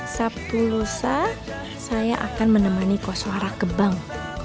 sabtu lusa saya akan menemani koswara kebang